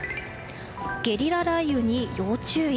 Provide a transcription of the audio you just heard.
ゲリラ雷雨に要注意。